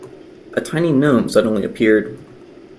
A tiny gnome suddenly appeared.